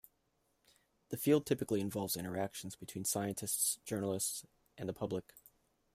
The field typically involves interactions between scientists, journalists, and the public.